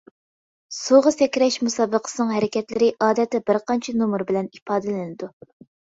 سۇغا سەكرەش مۇسابىقىسىنىڭ ھەرىكەتلىرى ئادەتتە بىرقانچە نومۇر بىلەن ئىپادىلىنىدۇ.